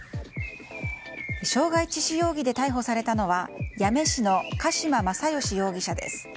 傷害致死容疑で逮捕されたのは八女市の鹿島正義容疑者です。